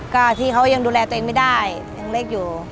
ก็ที่เขายังดูแลตัวเองไม่ได้ยังเล็กอยู่